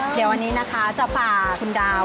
เดี๋ยววันนี้นะคะจะฝ่าคุณดาว